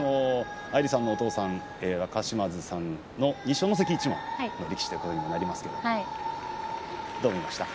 アイリさんのお父さん、若嶋津さんの二所ノ関一門の力士ということになりますけれどもどう見ましたか？